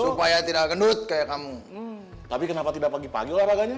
supaya tidak gendut kayak kamu tapi kenapa tidak pagi pagi olahraganya